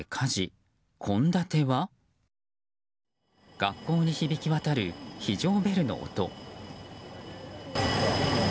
学校に響き渡る非常ベルの音。